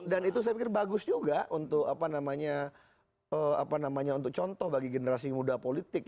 dan itu saya bagus juga untuk apa namanya apa namanya untuk contoh bagi generasi muda politik